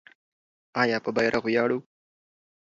آیا په بیرغ ویاړو؟